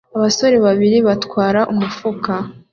Abasore babiri batwara umufuka